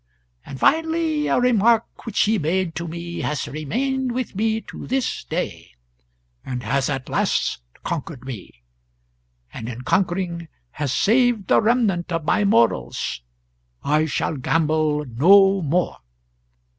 And finally, a remark which he made to me has remained with me to this day, and has at last conquered me; and in conquering has saved the remnant of my morals: I shall gamble no more.